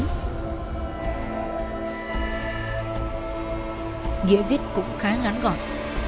nghĩa viết cũng khá ngắn gọn